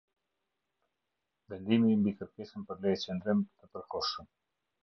Vendimi mbi kërkesën për lejeqëndrim të përkohshëm.